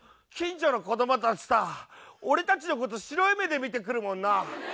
近所の子供たちさ俺たちのこと白い目で見てくるもんな。